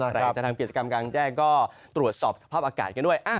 ใครจะทำกิจกรรมกลางแจ้งก็ตรวจสอบสภาพอากาศกันด้วย